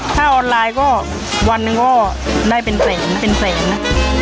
ถ้าออนไลน์ก็วันหนึ่งก็ได้เป็นแสนนะเป็นแสนนะ